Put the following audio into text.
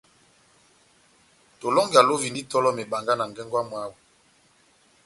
Tolɔngi alovindi itɔlɔ mebanga na ngengo ya mwáho.